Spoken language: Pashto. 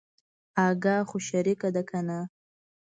اگه خو شريکه ده کنه.